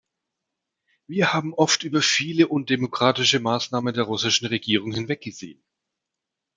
Wir haben oft über viele undemokratische Maßnahmen der russischen Regierung hinweggesehen.